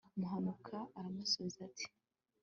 muhanuka aramusubiza ati